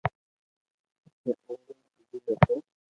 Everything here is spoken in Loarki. جي اوُ رو عزيز ھتو